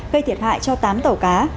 gây thiệt hại cho tám tàu cá